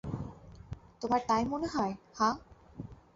তোমার তাই মনে হয়, হাহ?